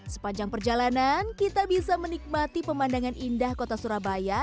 sepanjang perjalanan kita bisa menikmati pemandangan indah kota surabaya